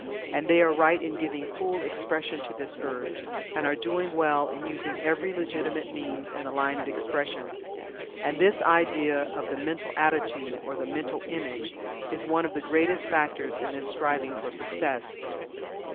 And they are right in giving full expression to this urge, and are doing well in using every legitimate means in the line of expression. And this idea of the Mental Attitude, or the Mental Image, is one of the greatest factors in this striving for Success.